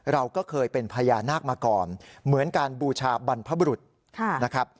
เราก็เคยเป็นพญานาคมาก่อนเหมือนการบูชาบรรพบรุษนะครับ